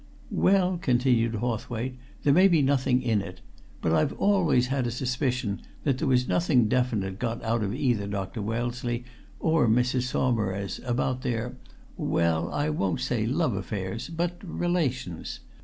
"Well," continued Hawthwaite, "there may be nothing in it. But I've always had a suspicion that there was nothing definite got out of either Dr. Wellesley or Mrs. Saumarez about their well, I won't say love affairs, but relations.